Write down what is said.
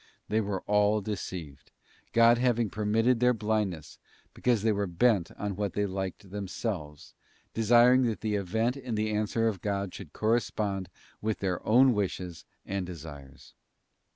They were all deceived, God having permitted their blindness, because they were bent on what they liked themselves, desiring that the event and the answer of God should correspond with their own wishes and desires.